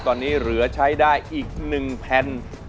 ตอนนี้เหลือใช้ได้อีก๑แผ่น